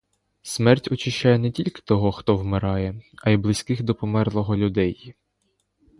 Смерть очищає не тільки того, хто вмирає, але й близьких до померлого людей.